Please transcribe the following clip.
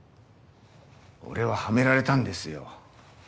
俺ははめられたんですよ。